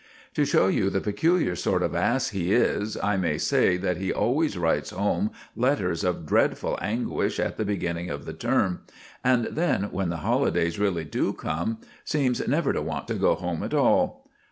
To show you the peculiar sort of ass he is, I may say that he always writes home letters of dreadful anguish at the beginning of the term, and then, when the holidays really do come, seems never to want to go home at all!